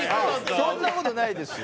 そんな事ないですよ。